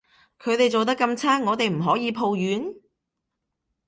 佢哋做得咁差，我哋唔可以抱怨？